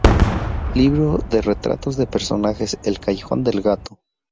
Libro de retratos de personajes: "El Callejón del Gato.